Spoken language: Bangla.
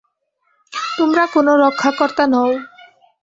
তোমরা কোন রক্ষাকর্তা নও!